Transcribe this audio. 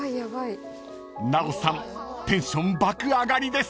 ［奈緒さんテンション爆上がりです］